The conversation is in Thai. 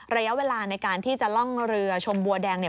ระยะเวลาในการที่จะล่องเรือชมบัวแดงเนี่ย